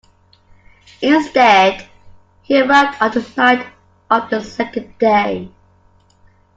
Instead, he arrived on the night of the second day.